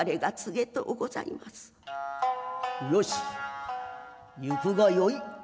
「よし行くがよい」。